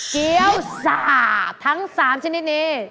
เกี้ยวสะอาดทั้ง๓ชนิดนี้